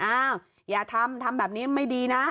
อ้าวอย่าทำทำแบบนี้ไม่ดีนะ